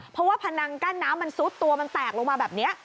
เพราะว่าพนังกั้นน้ำมันซุดตัวมันแตกลงมาแบบนี้